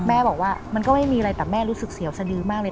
บอกว่ามันก็ไม่มีอะไรแต่แม่รู้สึกเสียวสดือมากเลย